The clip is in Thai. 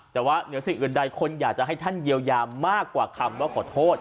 แต่ว่าเหนือสิ่งอื่นใดคนอยากจะให้ท่านเยียวยามากกว่าคำว่าขอโทษ